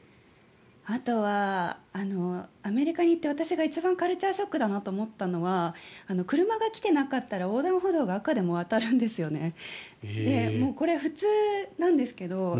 あとはアメリカに行って私が一番カルチャーショックだなと思ったのは車が来ていなかったら横断歩道が赤でも渡るんですよね。